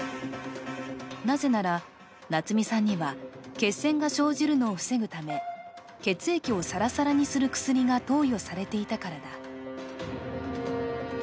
なぜなら夏美さんには血栓が生じるのを防ぐため血液をサラサラにする薬が投与されていたからだ。